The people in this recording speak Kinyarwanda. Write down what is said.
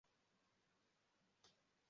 Imbwa ebyiri z'umukara zirukankana ku byatsi